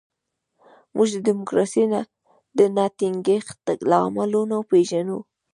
موږ د ډیموکراسۍ د نه ټینګښت لاملونه پېژنو.